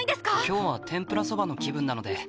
今日は天ぷらそばの気分なので。